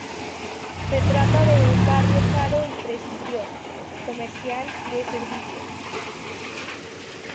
Se trata de un barrio caro y prestigioso, comercial y de servicios.